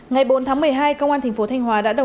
ngày bốn tháng một mươi hai công an tp thanh hóa đã đồng ý